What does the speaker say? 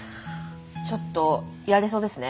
ちょっとやれそうですね。